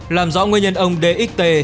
làm rõ nguyên nhân ông dxt